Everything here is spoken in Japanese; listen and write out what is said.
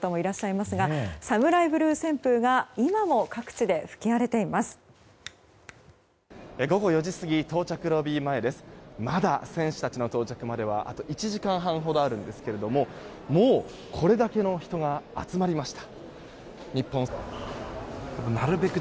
まだ選手たちの到着まではあと１時間半ほどあるんですがもうこれだけの人が集まりました。